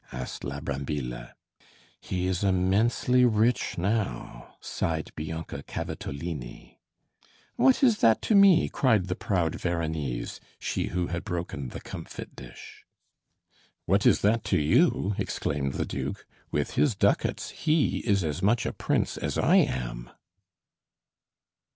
asked la Brambilla. "He is immensely rich now," sighed Bianca Cavatolini. "What is that to me?" cried the proud Veronese, she who had broken the comfit dish. "What is that to you?" exclaimed the duke. "With his ducats he is as much a prince as I am!"